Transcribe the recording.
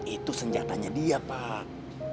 itu senjatanya dia pak